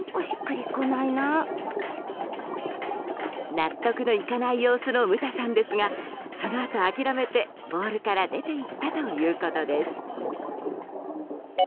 納得のいかない様子のむたさんですがそのあと、諦めてボウルから出ていったということです。